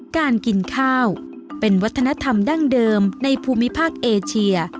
การกินข้าวเป็นวัฒนธรรมดั้งเดิมในภูมิภาคเอเชีย